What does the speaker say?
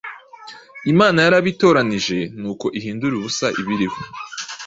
Imana yarabitoranije ngo ihindure ubusa ibiriho: